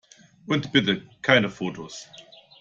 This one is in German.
Und bitte keine Fotos!